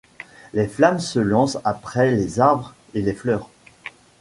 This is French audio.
Les flammes se lancent après les arbres et les fleurs.